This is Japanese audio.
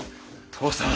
父さん。